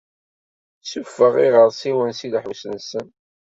Suffeɣ iɣersiwen seg leḥbus-nsen.